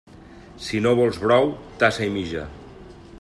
Si no vols brou, tassa i mitja.